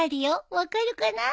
分かるかな？